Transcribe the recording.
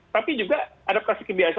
tapi juga adaptasi kebiasaan